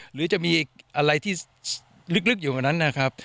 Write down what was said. หรือจะมีอะไรที่ลึกอยู่กว่านั้นนะครับ